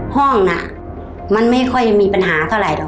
ห้องน่ะมันไม่ค่อยมีปัญหาเท่าไหรหรอก